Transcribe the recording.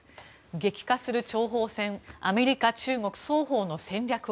激化する諜報戦アメリカ、中国双方の戦略は。